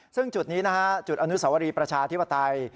ซึ่งจุดนี้นะฮะจุดอนุสวรีประชาธิปไตย